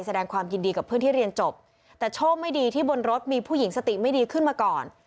แสดงความยินดีกับเพื่อนที่เรียนจบแต่โชคไม่ดีที่บนรถมีผู้หญิงสติไม่ดีขึ้นมาก่อน